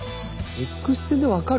Ｘ線で分かる？